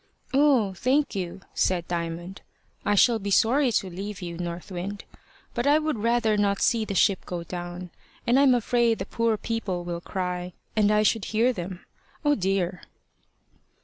"Oh! thank you," said Diamond. "I shall be sorry to leave you, North Wind, but I would rather not see the ship go down. And I'm afraid the poor people will cry, and I should hear them. Oh, dear!"